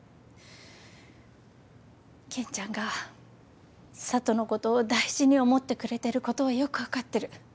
健ちゃんが佐都のことを大事に思ってくれてることはよく分かってる。